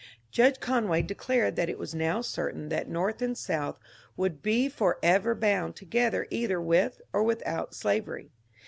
Judge Conway declared that it was now certain that North and South would be forever bound together either with or without slavery.